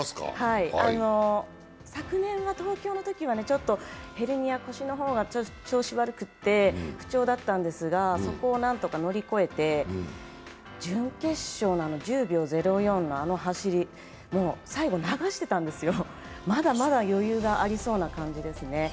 昨年は東京のときはヘルニア、腰の方が調子悪くて不調だったんですがそこを何とか乗り越えて準決勝の１０秒０４のあの走り、最後流してたんですよ、まだまだ余裕がありそうな感じですね。